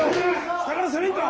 下から攻めんか！